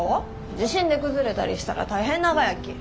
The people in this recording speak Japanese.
地震で崩れたりしたら大変ながやき。